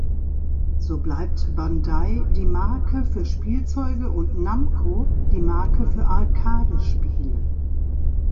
So bleibt "Bandai" die Marke für Spielzeuge und Namco die Marke für Arcade-Spiele.